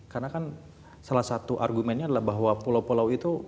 karena kan salah satu argumennya adalah bahwa pulau pulau itu